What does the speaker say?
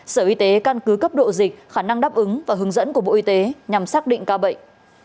sở y tế căn cứ cấp độ dịch khả năng đáp ứng và hướng dẫn của bộ y tế nhằm xác định ca bệnh